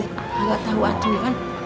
tidak tahu antu kan